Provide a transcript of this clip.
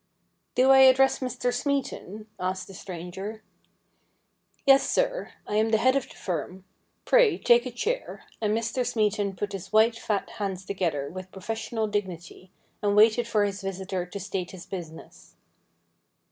' Do I address Mr. Smeaton ?' asked the stranger. ' Yes, sir. I am the head of the firm. Pray, take a chair,' and Mr. Smeaton put his white, fat hands together with professional dignity, and waited for his visitor to state his business.